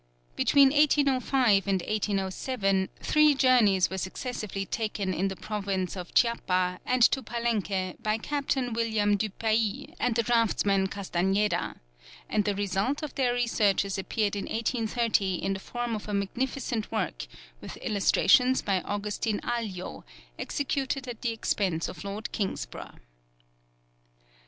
Between 1805 and 1807, three journeys were successively taken in the province of Chiapa and to Palenque by Captain William Dupaix and the draughtsman Castañeda, and the result of their researches appeared in 1830 in the form of a magnificent work, with illustrations by Augustine Aglio, executed at the expense of Lord Kingsborough.